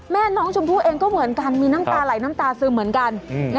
แม่น้องชมพู่เองก็เหมือนกันมีน้ำตาไหลน้ำตาซึมเหมือนกัน